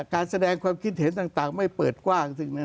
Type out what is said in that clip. การแสดงความคิดเห็นต่างไม่เปิดกว้าง